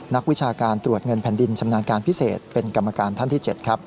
นักวิชาการตรวจเงินแผ่นดินชำนาญการพิเศษเป็นกรรมการท่านที่๗ครับ